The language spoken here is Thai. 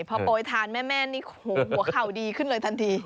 พอโปรยทานแม่นี่หัวเข่าดีขึ้นเลยทันที